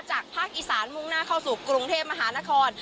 ภาคอีสานมุ่งหน้าเข้าสู่กรุงเทพมหานคร